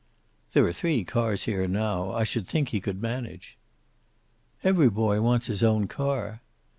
"There are three cars here now; I should think he could manage." "Every boy wants his own car."